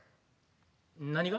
何が？